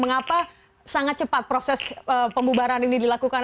mengapa sangat cepat proses pembubaran ini dilakukan